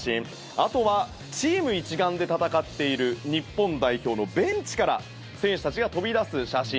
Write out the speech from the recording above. あとはチーム一丸で戦っている日本代表のベンチから選手たちが飛び出す写真。